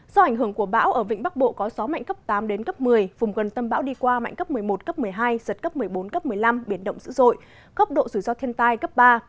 do ảnh hưởng của bão ở vĩnh bắc bộ có gió mạnh cấp tám đến cấp một mươi vùng gần tâm bão đi qua mạnh cấp một mươi một cấp một mươi hai giật cấp một mươi bốn cấp một mươi năm biển động dữ dội cấp độ rủi ro thiên tai cấp ba